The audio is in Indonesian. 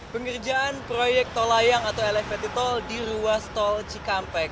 pengerjaan proyek tol layang atau elevated tol di ruas tol cikampek